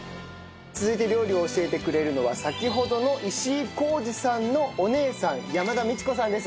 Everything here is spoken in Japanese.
続いて料理を教えてくれるのは先ほどの石井宏兒さんのお姉さん山田身知子さんです。